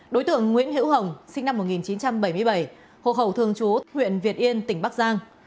đối tượng nguyễn hữu hồng sinh năm một nghìn chín trăm bảy mươi bảy hộ khẩu thường chú huyện việt yên tỉnh bắc giang